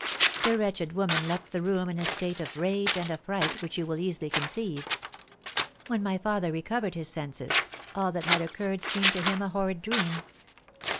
The wretched woman left the room in a state of rage and affright, which you will easily conceive. When my father recovered his senses, all that had occurred seemed to him a horrid dream.